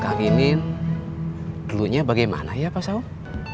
kang inin dulunya bagaimana ya pak saung